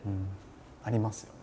ありますよね。